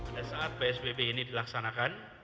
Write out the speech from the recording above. pada saat psbb ini dilaksanakan